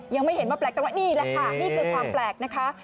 ยังไม่เห็นว่าแปลกแต่ว่านี่แหละค่ะนี่คือความแปลกนะคะ